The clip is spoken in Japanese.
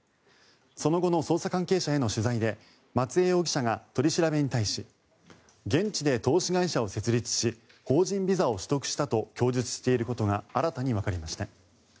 その後の捜査関係者への取材で松江容疑者が取り調べに対し現地で投資会社を設立し法人ビザを取得したと供述していることが新たにわかりました。